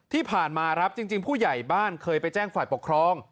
ที่ผ่านมาครับจริงผู้ใหญ่บ้านเคยไปแจ้งฝ่ายปกครอง